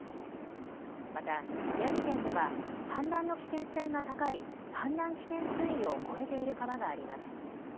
また宮城県では氾濫の危険性が高い氾濫危険水位を超えている川があります。